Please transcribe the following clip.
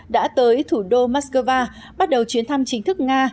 đã tới thủ đô moscow bắt đầu chuyến thăm chính thức nga